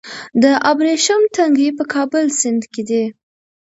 د ابریشم تنګی په کابل سیند کې دی